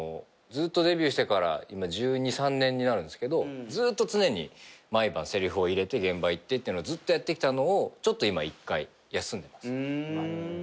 ずっとデビューしてから今１２１３年になるんですけどずっと常に毎晩せりふを入れて現場行ってっていうのをずっとやってきたのをちょっと今１回休んでます。